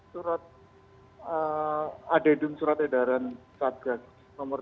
surat adedum surat edaran satgas nomor tiga belas